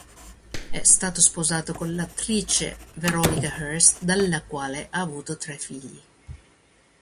È stato sposato con l'attrice Veronica Hurst, dalla quale ha avuto tre figli.